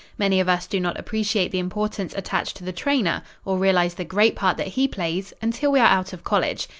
Many of us do not appreciate the importance attached to the trainer, or realize the great part that he plays, until we are out of college.